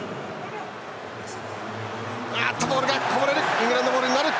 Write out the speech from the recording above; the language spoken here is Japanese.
イングランドボールになる。